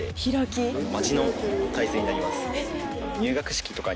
待ちの体勢になります。